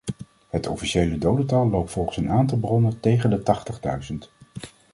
Het officiële dodental loopt volgens een aantal bronnen tegen de tachtigduizend.